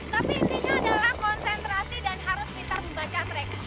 tapi intinya adalah konsentrasi dan harus pintar membaca track